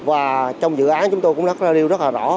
và trong dự án chúng tôi cũng đã ra rêu rất là rõ